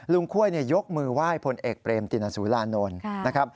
ลุงค่วยยกมือไหว้พลเอกเปรมติณสุรานนทร์